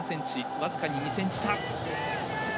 僅かに２ｃｍ差。